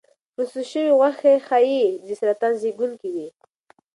پروسس شوې غوښې ښایي سرطان زېږونکي وي.